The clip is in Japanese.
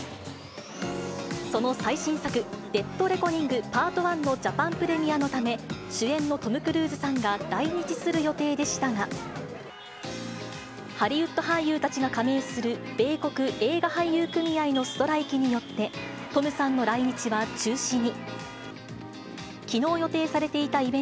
その最新作、デッドレコニングＰＡＲＴＯＮＥのジャパンプレミアのため、主演のトム・クルーズさんが来日する予定でしたが、ハリウッド俳優たちが加盟する米国映画俳優組合のストライキによって、トムさんの来日は中止に。